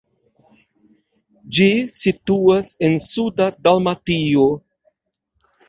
Ĝi situas en suda Dalmatio.